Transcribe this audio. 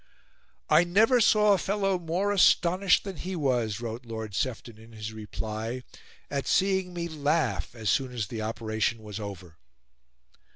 "I never saw a fellow more astonished than he was," wrote Lord Sefton in his reply, "at seeing me laugh as soon as the operation was over.